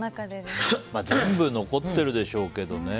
全部残ってるでしょうけどね。